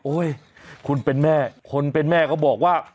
คุณเป็นแม่คนเป็นแม่เขาบอกว่า